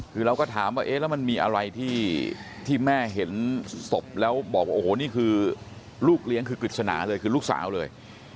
คือเราก็ถามว่าเอ๊ะแล้วมันมีอะไรที่แม่เห็นศพแล้วบอกว่าโอ้โหนี่คือลูกเลี้ยงคือกฤษณาเลยคือลูกสาวเลย